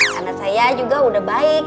karena saya juga udah baik